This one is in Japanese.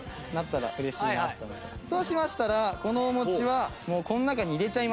そうしましたらこのお餅はこの中に入れちゃいます。